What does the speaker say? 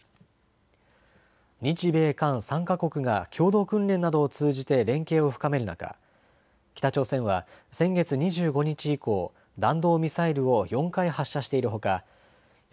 日米韓３か国が共同訓練などを通じて連携を深める中、北朝鮮は先月２５日以降、弾道ミサイルを４回、発射しているほか